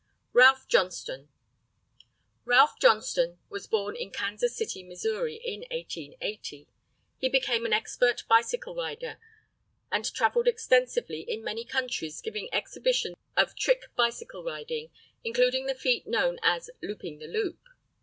RALPH JOHNSTONE. RALPH JOHNSTONE was born in Kansas City, Mo., in 1880. He became an expert bicycle rider, and travelled extensively in many countries giving exhibitions of trick bicycle riding, including the feat known as "looping the loop."